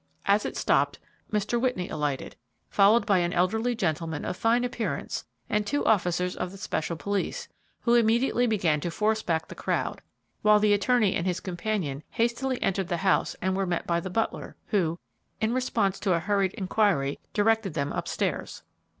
As it stopped, Mr. Whitney alighted, followed by an elderly gentleman of fine appearance and two officers of the special police, who immediately began to force back the crowd, while the attorney and his companion hastily entered the house and were met by the butler, who, in response to a hurried inquiry, directed them up stairs.